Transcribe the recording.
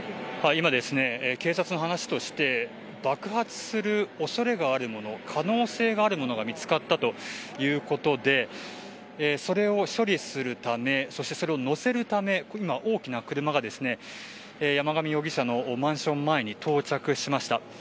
今、警察の話として爆発する恐れがあるもの可能性があるものが見つかったということでそれを処理するためそして、それを載せるため今、大きな車が山上容疑者のマンション前に到着しました。